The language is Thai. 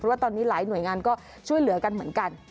ว่าตอนนี้หลายหน่วยงานก็ช่วยเหลือกันเหมือนกัน